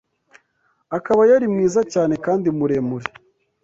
akaba yari mwiza cyane kandi muremure.